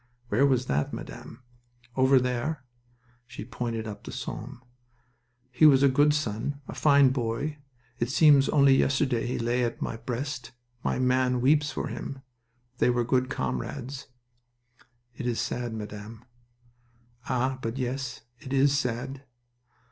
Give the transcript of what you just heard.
"Where was that, Madame?" "Over there." She pointed up the Somme. "He was a good son. A fine boy. It seems only yesterday he lay at my breast. My man weeps for him. They were good comrades." "It is sad, Madame." "Ah, but yes. It is sad!